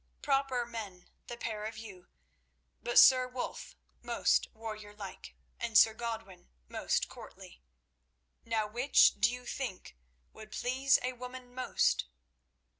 Proper men, the pair of you; but Sir Wulf most warriorlike, and Sir Godwin most courtly. Now which do you think would please a woman most?"